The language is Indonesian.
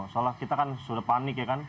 soalnya kita kan sudah panik ya kan